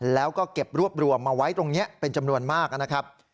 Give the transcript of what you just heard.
แล้วก็เก็บรวบรวมมาไว้ตรงนี้เป็นจำนวนมากนะครับ